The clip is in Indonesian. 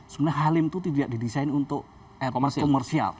sebenarnya halim itu tidak didesain untuk komersial